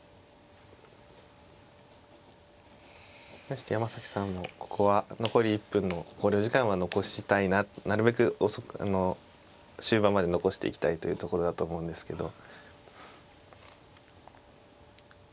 対して山崎さんもここは残り１分の考慮時間は残したいななるべく終盤まで残していきたいというところだと思うんですけど。